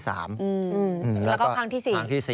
แล้วก็ครั้งที่๔